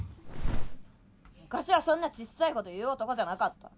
昔はそんなちっさいこと言う男じゃなかった。